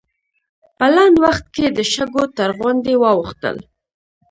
په لنډ وخت کې د شګو تر غونډۍ واوښتل.